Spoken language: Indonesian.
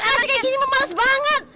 ntar kasih kayak gini membalas banget